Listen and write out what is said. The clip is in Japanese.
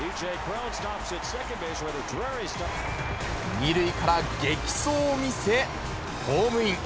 ２塁から激走を見せ、ホームイン。